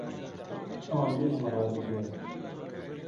ئەوان بە ئێمە ڕادەبوێرن؟